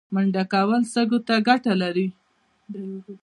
منډه کول سږو ته څه ګټه لري؟